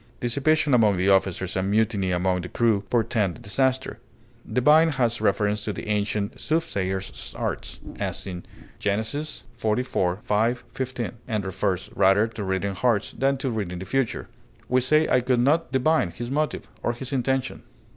Dissipation among the officers and mutiny among the crew portend disaster. Divine has reference to the ancient soothsayers' arts (as in Gen. xliv, 5, 15), and refers rather to reading hearts than to reading the future. We say I could not divine his motive, or his intention.